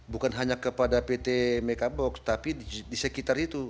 bukan hanya kepada pt mekabox tapi di sekitar itu